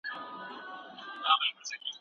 پښتو ژبه زموږ د هويت ژبه ده.